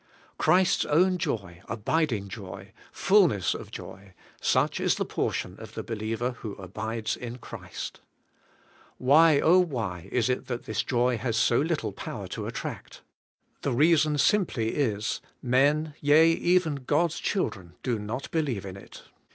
Christ's own joy, abiding joy, fulness of joy,— such is the portion of the believer who abides in Christ. Why, why is it that this joy has so little power to attract? The reason simply is: Men, yea, even God's children, do not believe in it.